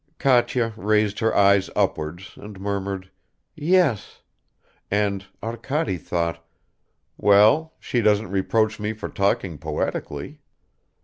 Katya raised her eyes upwards and murmured, "Yes," and Arkady thought, "Well, she doesn't reproach me for talking poetically."